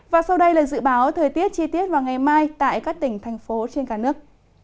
và sau đây là dự báo thời tiết chi tiết vào ngày mai tại các tỉnh thành phố trên cả nước